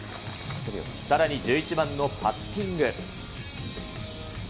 さらに１１番のパッティング。